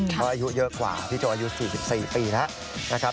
เพราะอายุเยอะกว่าพี่โจอายุ๔๔ปีแล้วนะครับ